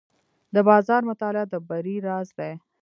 د بازار مطالعه د بری راز دی.